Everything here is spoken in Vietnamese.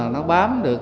nó bám được